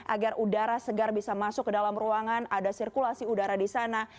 agar udara segar bisa masuk ke dalam ruangan ada sirkulasi udara di sana